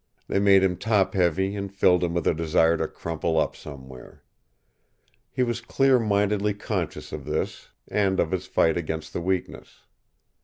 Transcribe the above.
They made him top heavy and filled him with a desire to crumple up somewhere. He was clear mindedly conscious of this and of his fight against the weakness.